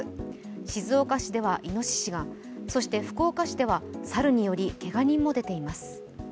静岡市ではイノシシが、そして、福岡市では猿によりけが人も出ています。